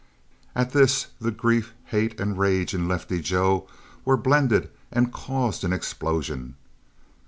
At this the grief, hate, and rage in Lefty Joe were blended and caused an explosion.